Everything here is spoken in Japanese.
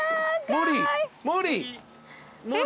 モリー。